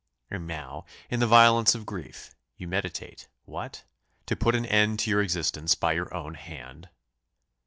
And now, in the violence of grief, you meditate what? to put an end to your existence by your own hand!